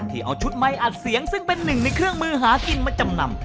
เอาชุดไมค์อัดเสียงซึ่งเป็นหนึ่งในเครื่องมือหากินมาจำนำ